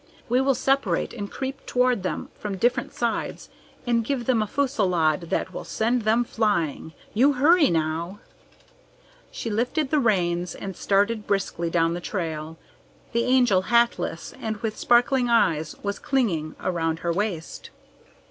We will separate and creep toward them from different sides and give them a fusillade that will send them flying. You hurry, now!" She lifted the reins and started briskly down the trail. The Angel, hatless and with sparkling eyes, was clinging around her waist.